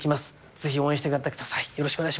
ぜひ応援してやってください。